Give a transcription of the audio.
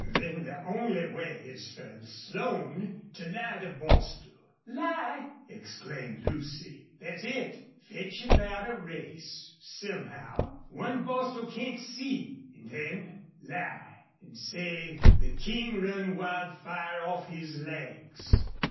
"Then the only way is fer Slone to lie to Bostil." "Lie!" exclaimed Lucy. "Thet's it. Fetch about a race, somehow one Bostil can't see an' then lie an' say the King run Wildfire off his legs."